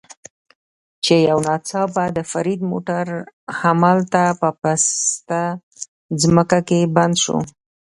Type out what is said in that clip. چې یو ناڅاپه د فرید موټر همالته په پسته ځمکه کې بند شو.